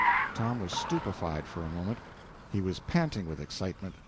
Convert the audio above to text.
Tom was stupefied for a moment. He was panting with excitement.